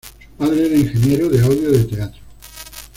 Su padre era ingeniero de audio de teatro.